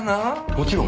もちろん。